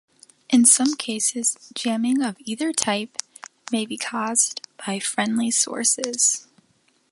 In some cases, jamming of either type may be caused by friendly sources.